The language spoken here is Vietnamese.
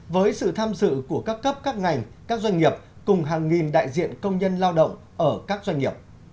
với sự tham dự của các cấp các ngành các doanh nghiệp cùng hàng nghìn đại diện công nhân lao động ở các doanh nghiệp